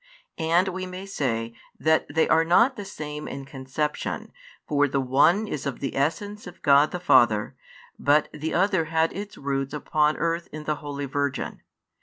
And [we may say] that they are not the same in conception, for the one is of the Essence of God the Father, but the other had its root upon earth in the holy Virgin.